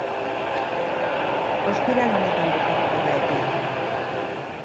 Ostiral honetan bukatuko da epea.